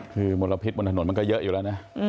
คือมลพิษบนถนนมันก็เยอะอยู่แล้วนะ